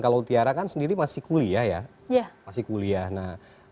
kalau tiara kan sendiri masih kuliah ya